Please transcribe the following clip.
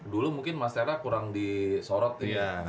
dulu mungkin mas tera kurang disorot nih